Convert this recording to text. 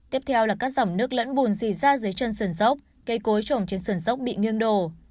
tiếp theo là các dòng nước lẫn bùn dì ra dưới chân sườn dốc cây cối trồng trên sườn dốc bị nghiêng đổ